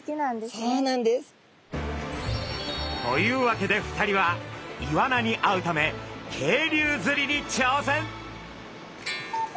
というわけで２人はイワナに会うため渓流釣りにちょうせん！